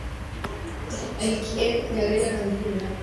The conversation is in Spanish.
Es el quien le agrega la empuñadura actúa, que no es la original.